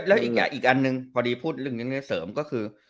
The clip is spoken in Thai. แล้วอีกอันหนึ่งพอดีพูดเรื่องนี้เสริมก็คือ